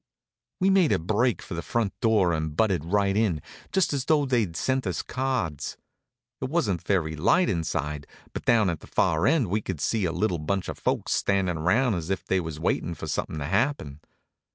We made a break for the front door and butted right in, just as though they'd sent us cards. It wasn't very light inside, but down at the far end we could see a little bunch of folks standin' around as if they was waitin' for somethin' to happen.